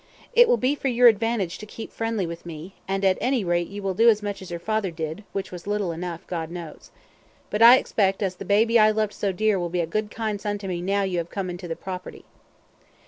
It will be for your advantage to keep friendly with me, and at any rate you will do as much as your father did, which was little enuf, God knows. But I expect as the baby that I loved so dear will be a good kind son to me now you have come into the property.